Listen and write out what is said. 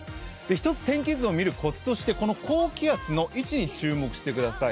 １つ天気図を見るコツとしてこの高気圧の位置に注目してください。